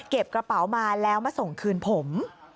กระเป๋ามาแล้วมาส่งคืนผม